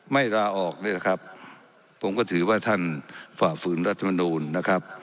ไม่ราออกเลยนะครับผมก็ถือว่าท่านฝ่าฝืนรัฐมนตร์นะครับ